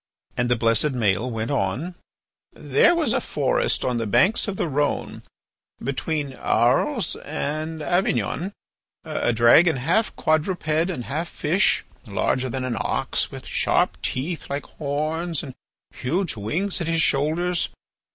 And the blessed Maël went on: "There was in a forest on the banks of the Rhone, between Arles and Avignon, a dragon half quadruped and half fish, larger than an ox, with sharp teeth like horns and huge wings at his shoulders.